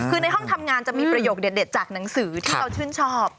คือในห้องทำงานจะมีประโยคเด็ดจากหนังสือที่เขาชื่นชอบ